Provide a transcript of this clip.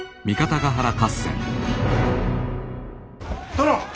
殿！